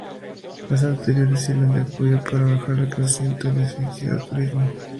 Las anteriores sirven de apoyo para el mejor conocimiento del Licenciado en Turismo.